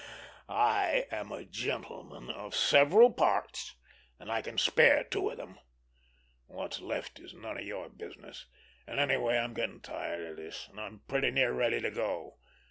I am a gentleman of several parts, and I can spare two of them. What's left is none of your business, and anyway I'm getting tired of this, and I'm pretty near ready to go.